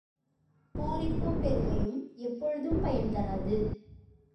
பூரிப்பும் பெருமையும் எப்பொழுதும் பயன்தராது.